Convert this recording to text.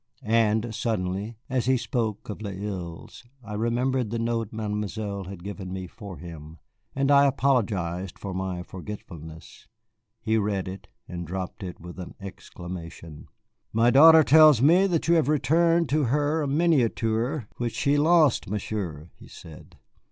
And suddenly, as he spoke of Les Îsles, I remembered the note Mademoiselle had given me for him, and I apologized for my forgetfulness. He read it, and dropped it with an exclamation. "My daughter tells me that you have returned to her a miniature which she lost, Monsieur," he said.